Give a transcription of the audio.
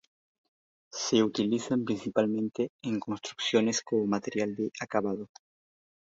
Se utilizan principalmente en construcciones como material de acabado.